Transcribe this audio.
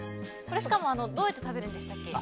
しかもどうやって食べるんでしたっけ？